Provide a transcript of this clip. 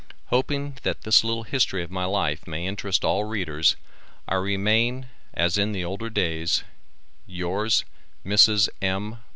Hoping that this little history of my life may interest all readers, I remain as in the older days, Yours, Mrs. M.